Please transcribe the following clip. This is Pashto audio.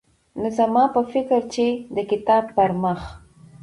نو زما په فکر چې د کتاب پرمخ